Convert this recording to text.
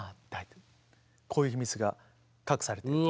こういう秘密が隠されている。